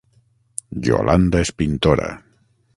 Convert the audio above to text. Yolanda és pintora